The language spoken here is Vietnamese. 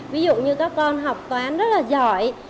ví dụ như các con học toán rất là giỏi